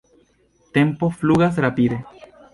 Tempo flugas rapide.